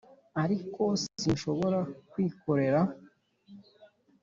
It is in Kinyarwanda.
ariko sinshobora kwikorera